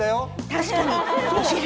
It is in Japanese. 確かに！